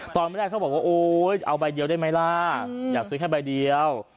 ตอนแรกเขาบอกว่าโอ๊ยเอาใบเดียวได้ไหมล่ะอยากซื้อแค่ใบเดียว